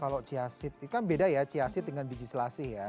kalau chia seed kan beda ya chia seed dengan biji selasih ya